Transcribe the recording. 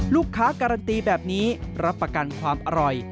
ลูกค้าการันตีแบบนี้รับประกันความอร่อย